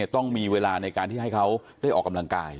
ต้องมีเวลาในการที่ให้เขาได้ออกกำลังกาย